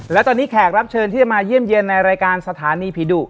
และตอนนี้แขกรับเชิญที่จะมาเยี่ยมเยี่ยมในรายการสถานีผีดุ